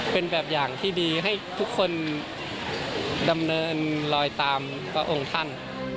เป็นแบบอย่างที่ดีให้ทุกคนดำเนินลอยตามพระองค์ท่าน